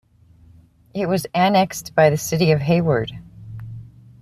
It was annexed by the City of Hayward.